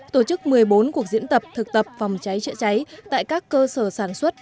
tổ chức một mươi bốn cuộc diễn tập thực tập phòng cháy chữa cháy tại các cơ sở sản xuất